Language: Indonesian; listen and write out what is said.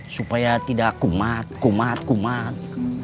supaya tidak kumat kumat kumat